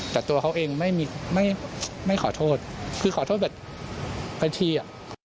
แต่ตัวเขาเองไม่มีไม่ขอโทษคือขอโทษแบบบัญชีอ่ะ